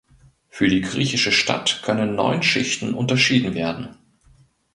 Für die griechische Stadt können neun Schichten unterschieden werden.